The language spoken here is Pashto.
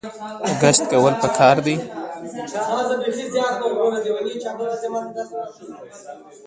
ګذشت کول پکار دي